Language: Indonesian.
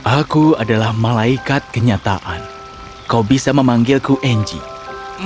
aku adalah malaikat kenyataan kau bisa memanggilku anjinge